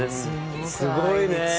すごいね。